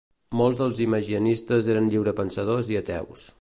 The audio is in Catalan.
Molts dels imaginistes eren lliurepensadors i ateus.